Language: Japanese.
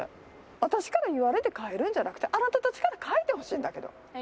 私から言われて変えるんじゃなくて、あなたたちから変えてほしいんだけど。